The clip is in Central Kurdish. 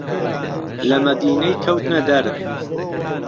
لە مهدينەی کهوتنە دەر